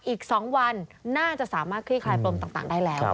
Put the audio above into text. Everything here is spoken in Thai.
อีก๒วันน่าจะสามารถคลี่คลายปรมต่างได้แล้ว